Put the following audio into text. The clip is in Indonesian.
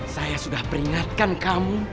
saya sudah peringatkan kamu